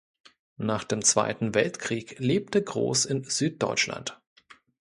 Nach dem Zweiten Weltkrieg lebte Gross in Süddeutschland.